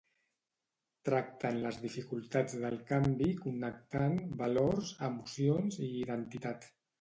Tracten les dificultats del canvi connectant valors, emocions i identitat.